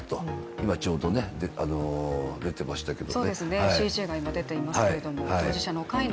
今、ちょうど出てましたけど。